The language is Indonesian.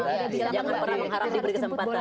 nah yang pernah mengharap diberi kesempatan